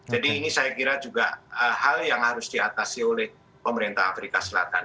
jadi ini saya kira juga hal yang harus diatasi oleh pemerintah afrika selatan